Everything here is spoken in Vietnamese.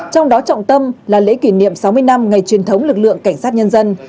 trong đó trọng tâm là lễ kỷ niệm sáu mươi năm ngày truyền thống lực lượng cảnh sát nhân dân